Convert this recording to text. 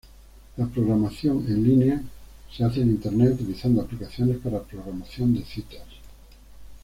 La programación en línea se hace en Internet utilizando aplicaciones para programación de citas.